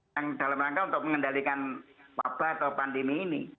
yang dalam rangka untuk mengendalikan wabah atau pandemi ini